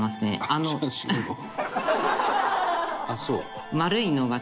あっそう。